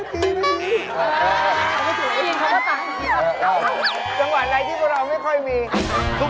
จังหวัดในที่เราไม่ค่อยมี